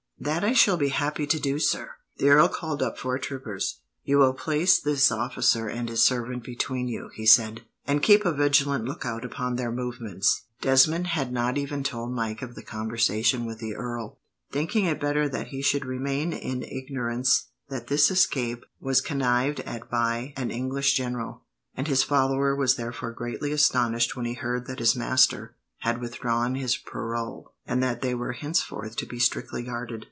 "That I shall be happy to do, sir." The earl called up four troopers. "You will place this officer and his servant between you," he said, "and keep a vigilant lookout upon their movements." Desmond had not even told Mike of the conversation with the earl, thinking it better that he should remain in ignorance that this escape was connived at by an English general, and his follower was therefore greatly astonished when he heard that his master had withdrawn his parole, and that they were henceforth to be strictly guarded.